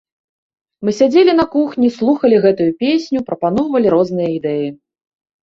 Мы сядзелі на кухні, слухалі гэтую песню, прапаноўвалі розныя ідэі.